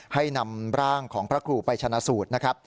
ให้นำร่างของพระครูไปชนะสูตรนะครับ